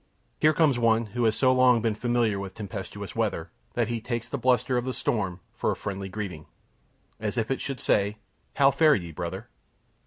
Here comes one who has so long been familiar with tempestuous weather that he takes the bluster of the storm for a friendly greeting, as if it should say, "How fare ye, brother?"